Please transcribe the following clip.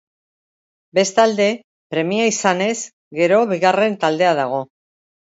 Bestalde, premia izanez gero bigarren taldea dago.